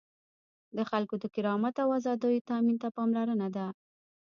د خلکو د کرامت او آزادیو تأمین ته پاملرنه ده.